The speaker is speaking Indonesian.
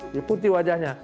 ya putih wajahnya